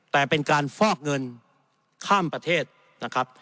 แต่เป็นการฟอกเงินข้ามประเทศนะครับ